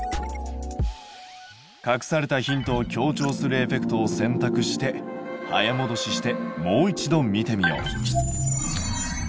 隠されたヒントを強調するエフェクトを選択して早もどししてもう一度見てみよう。